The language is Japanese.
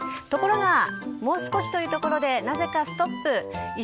ところが、もう少しという所でなぜかストップ。